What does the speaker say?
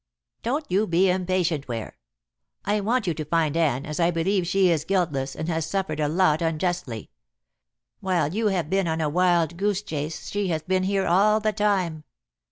"Don't you be impatient, Ware. I want you to find Anne, as I believe she is guiltless and has suffered a lot unjustly. While you have been on a wild goose chase she has been here all the time.